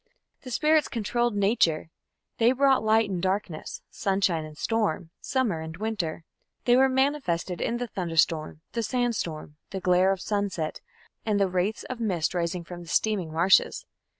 The spirits controlled Nature: they brought light and darkness, sunshine and storm, summer and winter; they were manifested in the thunderstorm, the sandstorm, the glare of sunset, and the wraiths of mist rising from the steaming marshes.